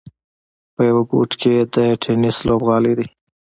په یوه ګوټ کې یې د ټېنس لوبغالی دی.